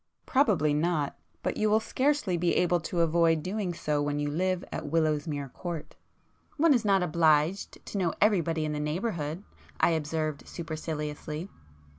"Probably not. But you will scarcely be able to avoid doing so when you live at Willowsmere Court." "One is not obliged to know everybody in the neighbourhood,"—I observed superciliously.